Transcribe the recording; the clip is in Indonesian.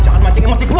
jangan mancing emosi gua